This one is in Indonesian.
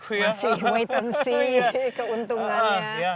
masih wait and see keuntungannya